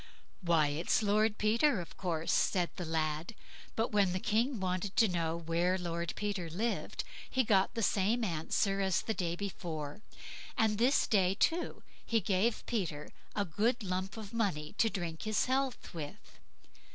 "Why, it's Lord Peter, of course", said the lad; but when the King wanted to know where Lord Peter lived, he got the same answer as the day before; and this day, too, he gave Peter a good lump of money to drink his health with.